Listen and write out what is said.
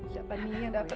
siapa nih yang dapat